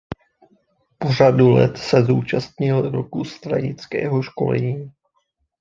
Po řadu let se zúčastnil "Roku stranického školení".